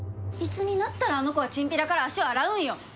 いつになったら、あの子はチンピラから足を洗うんよ。